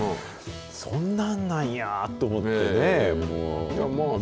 そんなんなんやぁと思ってね、もう。